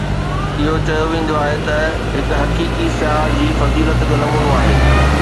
اهو چيو ويندو آهي ته هڪ حقيقي سياح جي فضيلت جو نمونو آهي